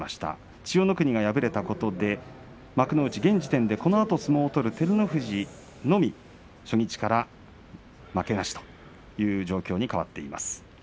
千代の国が敗れたことで幕内現時点で、このあと相撲を取る照ノ富士のみ初日から負けなしという状況に変わっています。